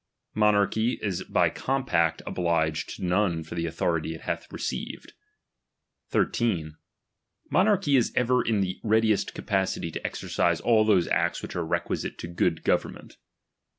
Monarchy Is by com pact oblig^ to none for the authority it hath received. l.'k Monarchy is ever in ibe readiest capacity to exercise all ihosi acts nhich are requtute to good govamnent.